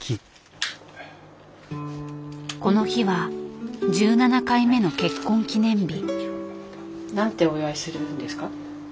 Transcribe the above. この日は１７回目の結婚記念日。